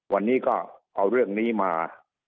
วันนี้ก็เอาเรื่องนี้มา